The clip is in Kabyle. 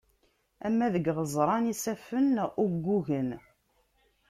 Ama deg yiɣeẓran, isaffen neɣ uggugen.